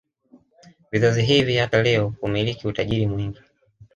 Vizazi hivi hata leo humiliki utajiri mwingi